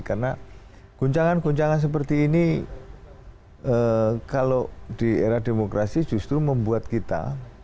karena guncangan guncangan seperti ini kalau di era demokrasi justru membuat kita